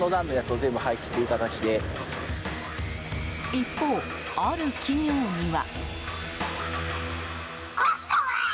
一方、ある企業には。